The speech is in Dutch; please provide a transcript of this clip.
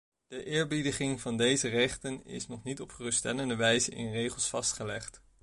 De eerbiediging van deze rechten is nog niet op geruststellende wijze in regels vastgelegd.